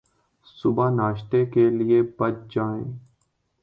صبح ناشتے کے لئے بچ جائیں